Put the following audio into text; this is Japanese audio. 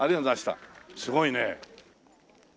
すごいね。